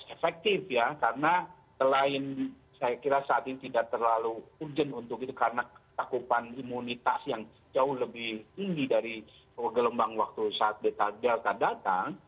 efektif ya karena selain saya kira saat ini tidak terlalu urgent untuk itu karena ketakupan imunitas yang jauh lebih tinggi dari gelombang waktu saat deta delta datang